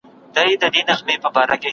مکي ته د سفر اصلي موخه څه وه؟